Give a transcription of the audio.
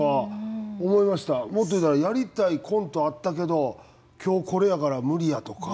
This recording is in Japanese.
もっと言ったらやりたいコントあったけど今日これやから無理やとか。